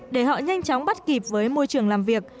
để họ nhanh chóng bắt kịp với môi trường làm việc